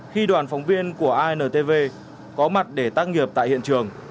khi đoàn phóng viên của intv có mặt để tác nghiệp tại hiện trường